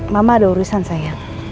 mama ada urusan sayang